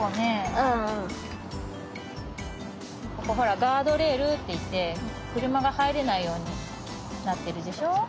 ここほらガードレールっていってくるまがはいれないようになってるでしょ。